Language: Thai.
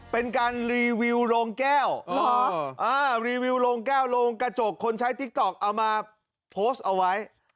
เป็นการรีวิวโรงแก้วรีวิวโรงแก้วโรงกระจกคนใช้ติ๊กต๊อกเอามาโพสต์เอาไว้